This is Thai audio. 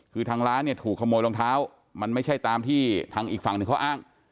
คือทางร้านเนี่ยถูกขโมยรองเท้ามันไม่ใช่ตามที่ทางอีกฝั่งหนึ่งเขาอ้าง